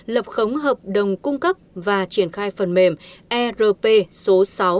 lập khống hợp đồng cung cấp và triển khai phần mềm erp số sáu hai nghìn một mươi năm